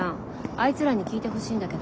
あいつらに聞いてほしいんだけど。